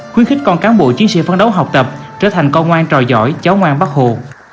khuyến khích con cán bộ chiến sĩ phấn đấu học tập trở thành con ngoan trò giỏi cháu ngoan bác hồ